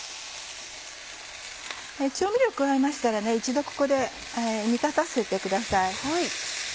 調味料を加えましたら一度ここで煮立たせてください。